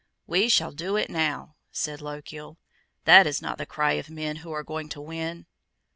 "We shall do it now," said Lochiel: "that is not the cry of men who are going to win."